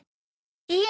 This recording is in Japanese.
いえ